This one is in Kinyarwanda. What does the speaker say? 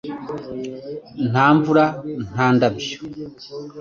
Nta mvura. Nta ndabyo.